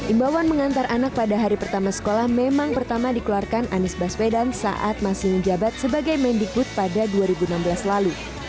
imbauan mengantar anak pada hari pertama sekolah memang pertama dikeluarkan anies baswedan saat masih menjabat sebagai mendikbud pada dua ribu enam belas lalu